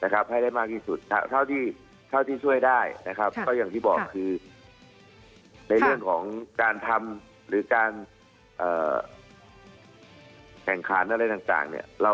คือในเรื่องของการทำหรือการแข่งขาดอะไรต่าง